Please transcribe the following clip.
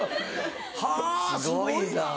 はぁすごいな。